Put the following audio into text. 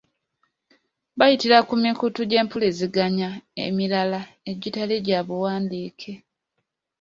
Bayitira ku mikutu gy’empuliziganya emirala egitali gya mu buwandiike.